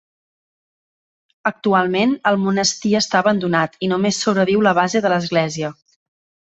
Actualment, el monestir està abandonat i només sobreviu la base de l'església.